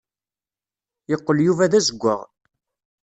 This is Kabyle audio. Yeqqel Yuba d azewwaɣ.